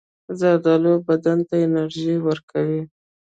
زردالو بدن ته انرژي ورکوي.